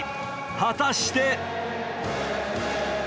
果たして。